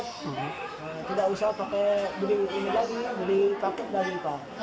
tidak usah pakai beli internet beli paket dari pak